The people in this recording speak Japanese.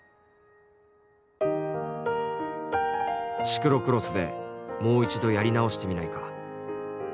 「シクロクロスでもう一度やり直してみないか」。